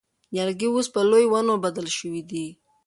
نیالګي اوس په لویو ونو بدل شوي دي.